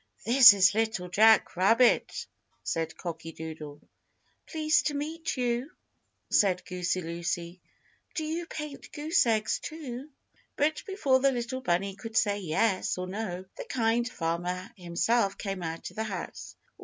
"This is Little Jack Rabbit," said Cocky Doodle. "Pleased to meet you," said Goosey Lucy. "Do you paint goose eggs, too?" But before the little bunny could say yes or no, the Kind Farmer himself came out of the house.